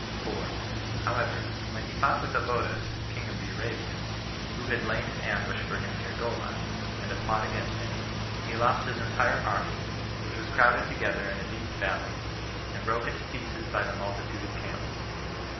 4. However, when he fought with Obodas, king of the Arabians, who had laid an ambush for him near Golan, and a plot against him, he lost his entire army, which was crowded together in a deep valley, and broken to pieces by the multitude of camels.